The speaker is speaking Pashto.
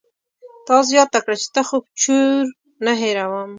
تا زياته کړه چې ته خو چور نه هېروم.